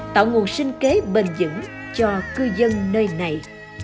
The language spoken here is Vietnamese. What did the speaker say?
tạo nguồn sinh kế bền dững cho cư dân nơi này